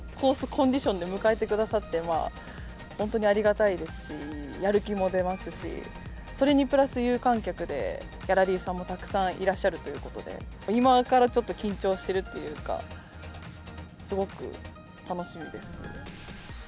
コンディションで迎えてくださって、本当にありがたいですし、やる気も出ますし、それにプラス有観客で、ギャラリーさんもたくさんいらっしゃるということで、今からちょっと緊張してるっていうか、すごく楽しみです。